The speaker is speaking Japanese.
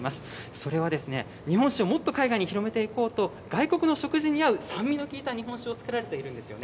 それは日本酒をもっと海外に広めていこうと、外国の食事に合う酸味のきいた日本酒を造られているんですよね。